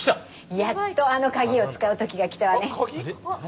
やっと、あの鍵を使う時が来たわね。